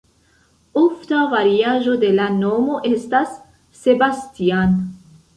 Ofta variaĵo de la nomo estas "Sebastian".